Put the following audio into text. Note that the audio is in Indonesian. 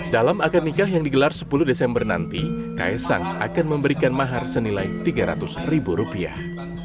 dalam akad nikah yang digelar sepuluh desember nanti kaisang akan memberikan mahar senilai tiga ratus ribu rupiah